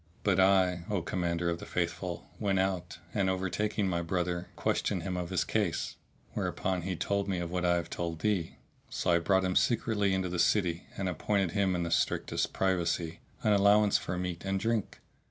But I, O Commander of the Faithful, went out and overtaking my brother questioned him of his case; whereupon he told me of what I have told thee; so I brought him secretly into the city, and appointed him (in the strictest privacy) an allowance for meat and drink!